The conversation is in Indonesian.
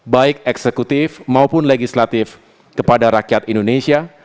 baik eksekutif maupun legislatif kepada rakyat indonesia